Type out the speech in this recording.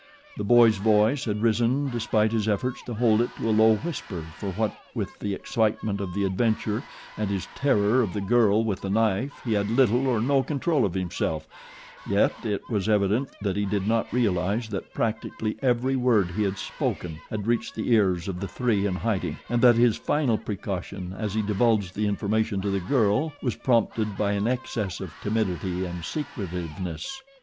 The boy's voice had risen despite his efforts to hold it to a low whisper for what with the excitement of the adventure and his terror of the girl with the knife he had little or no control of himself, yet it was evident that he did not realize that practically every word he had spoken had reached the ears of the three in hiding and that his final precaution as he divulged the information to the girl was prompted by an excess of timidity and secretiveness.